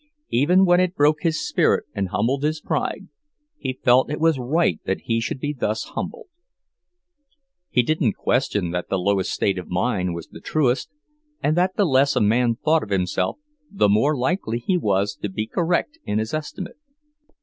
Even when it broke his spirit and humbled his pride, he felt it was right that he should be thus humbled. He didn't question that the lowest state of mind was the truest, and that the less a man thought of himself, the more likely he was to be correct in his estimate.